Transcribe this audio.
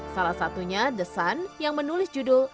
salah satunya the sun yang menulis judul